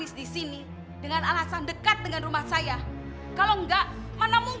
ini kita bertiga yang jagoan